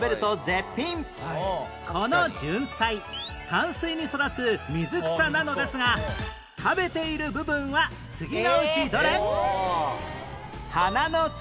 このじゅんさい淡水に育つ水草なのですが食べている部分は次のうちどれ？